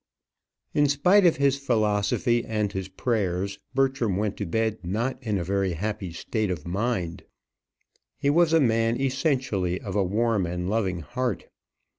In spite of his philosophy and his prayers, Bertram went to bed not in a very happy state of mind. He was a man essentially of a warm and loving heart.